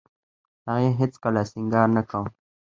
هغې هېڅ کله سينګار نه کاوه.